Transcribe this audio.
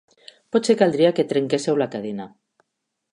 Potser caldria que trenquésseu la cadena.